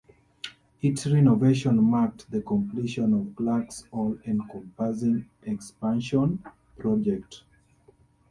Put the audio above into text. Its renovation marked the completion of the Clark's all-encompassing expansion project.